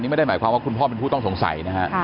ไม่ได้หมายความว่าคุณพ่อเป็นผู้ต้องสงสัยนะฮะ